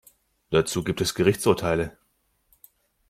Dazu gibt es Gerichtsurteile.